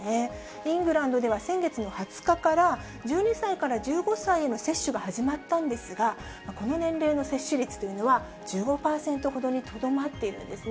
イングランドでは先月の２０日から、１２歳から１５歳への接種が始まったんですが、この年齢の接種率というのは、１５％ほどにとどまっているんですね。